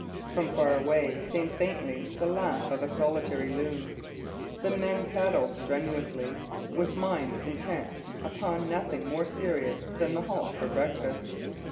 From far away came faintly the laugh of a solitary loon. The men paddled strenuously, with minds intent upon nothing more serious than the halt for breakfast.